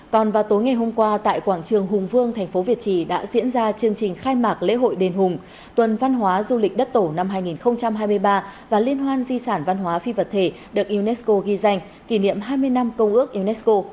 còn vào tối ngày hôm qua tại quảng trường hùng vương thành phố việt trì đã diễn ra chương trình khai mạc lễ hội đền hùng tuần văn hóa du lịch đất tổ năm hai nghìn hai mươi ba và liên hoan di sản văn hóa phi vật thể được unesco ghi danh kỷ niệm hai mươi năm công ước unesco